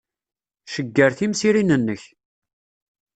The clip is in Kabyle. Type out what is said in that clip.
Cegger timsirin-nnek.